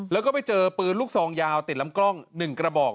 แล้วก็ไปเจอปืนลูกซองยาวติดลำกล้อง๑กระบอก